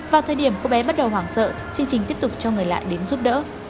vào thời điểm cô bé bắt đầu hoảng sợ chương trình tiếp tục cho người lạ đến giúp đỡ